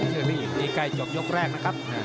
เชอรี่อีกนิดนึงใกล้จบยกแรกนะครับ